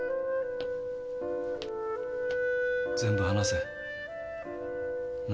全部話せ。な？